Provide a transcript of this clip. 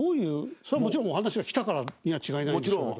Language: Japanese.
そりゃもちろんお話が来たからには違いないんでしょうけど。